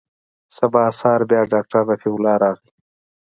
سبا سهار بيا ډاکتر رفيع الله راغى.